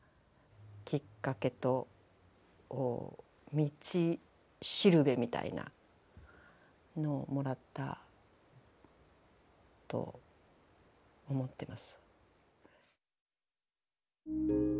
きっかけと道しるべみたいなのをもらったと思ってます。